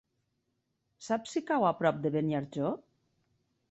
Saps si cau a prop de Beniarjó?